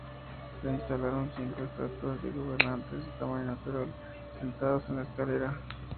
Se instalaron cinco estatuas de gobernantes de tamaño natural, sentados en la escalera.